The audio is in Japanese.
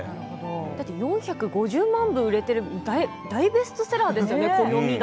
だって４５０万部売れているって大ベストセラーですよね、暦が。